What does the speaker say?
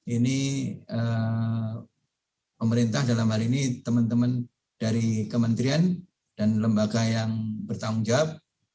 ini pemerintah dalam hal ini teman teman dari kementerian dan lembaga yang bertanggung jawab